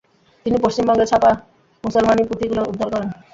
তিনি পশ্চিমবঙ্গে ছাপা মুসলমানি পুঁথি গুলো উদ্ধার করেন।